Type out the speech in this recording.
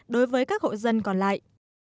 đối với các hộ dân còn lại